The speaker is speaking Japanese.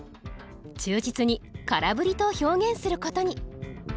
忠実に「空振り」と表現することに。